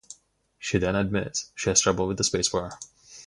She then admits she has trouble with the space bar.